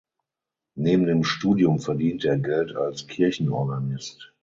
Neben dem Studium verdiente er Geld als Kirchenorganist.